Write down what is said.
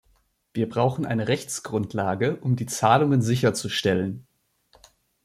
Wir brauchen eine Rechtsgrundlage, um die Zahlungen sicherzustellen.